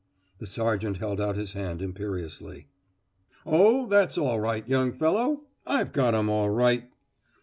The sergeant held out his hand imperiously. "Oh, that's all right, young fellow; I've got 'em, all right."